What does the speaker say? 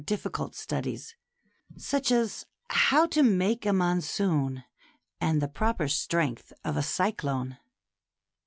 difficult studies — such as how to make a monsoon, and the proper strength of a cyclone.